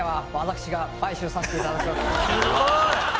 すごい！